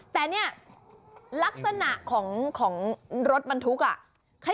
แต่เนี่ยลักษณะของรถบรรทุกอ่ะ